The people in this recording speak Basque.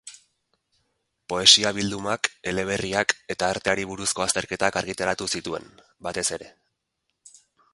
Poesia-bildumak, eleberriak eta arteari buruzko azterketak argitaratu zituen, batez ere.